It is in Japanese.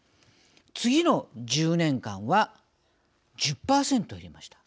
次の１０年間は１０％減りました。